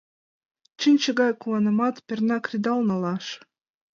Чинче гай куанымат перна кредал налаш!